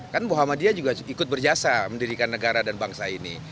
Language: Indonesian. kan muhammadiyah juga ikut berjasa mendirikan negara dan bangsa ini